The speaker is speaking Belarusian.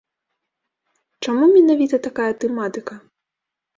Чаму менавіта такая тэматыка?